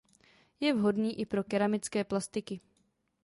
Je vhodný i pro keramické plastiky.